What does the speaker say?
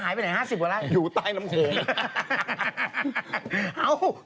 อยู่ตายน้ำโขง